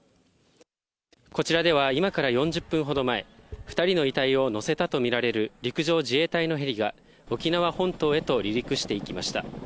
こちらでは今から４０分ほど前、２人の遺体を乗せたとみられる陸上自衛隊のヘリが沖縄本島へと離陸していきました。